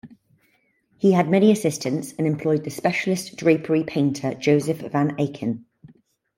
He had many assistants, and employed the specialist drapery painter Joseph van Aken.